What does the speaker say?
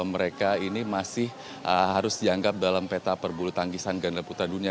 mereka ini masih harus dianggap dalam peta perbulu tangkisan ganda putra dunia